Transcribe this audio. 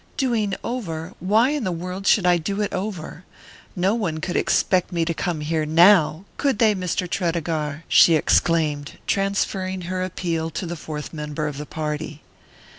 "Doing over? Why in the world should I do it over? No one could expect me to come here now could they, Mr. Tredegar?" she exclaimed, transferring her appeal to the fourth member of the party.